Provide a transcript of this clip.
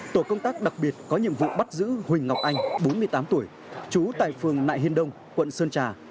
tổ công tác đặc biệt có nhiệm vụ bắt giữ huỳnh ngọc anh bốn mươi tám tuổi trú tại phường nại hiên đông quận sơn trà